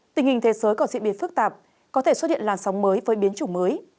tình hình thế giới còn diễn biến phức tạp có thể xuất hiện làn sóng mới với biến chủng mới